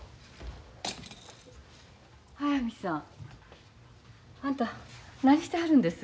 速水さんあんた何してはるんです？